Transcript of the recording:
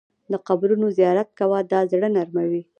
د قبرونو زیارت کوه، دا زړه نرموي.